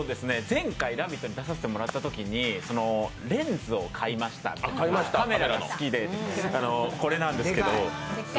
前回、「ラヴィット！」に出させてもらったときにレンズを買いました、カメラが好きで、これなんですけど。